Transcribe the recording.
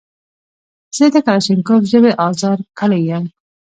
زه د کلاشینکوف ژبې ازار کړی یم.